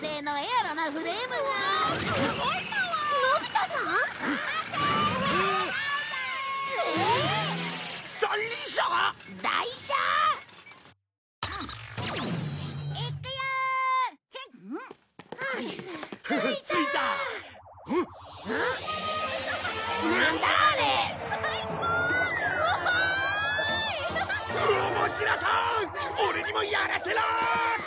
オレにもやらせろ！